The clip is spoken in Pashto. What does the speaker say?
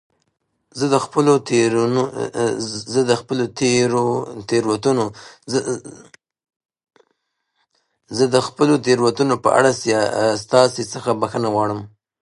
زه د خپلو تېروتنو په اړه ستاسي څخه بخښنه غواړم.